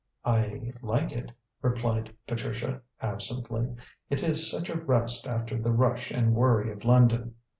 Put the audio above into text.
"I like it," replied Patricia absently; "it is such a rest after the rush and worry of London.